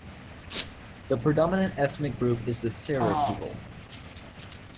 The predominant ethnic group is the Serer people.